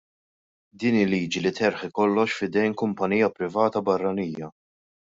Din hi liġi li terħi kollox f'idejn kumpanija privata barranija.